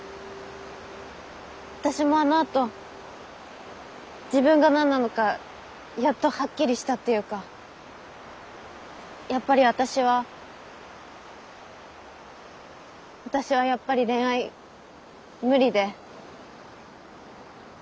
私もあのあと自分が何なのかやっとはっきりしたっていうかやっぱり私は私はやっぱり恋愛無理で。